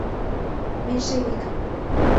Меньшевик